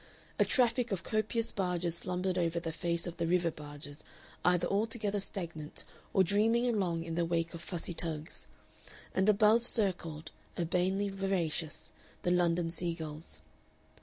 A traffic of copious barges slumbered over the face of the river barges either altogether stagnant or dreaming along in the wake of fussy tugs; and above circled, urbanely voracious, the London seagulls.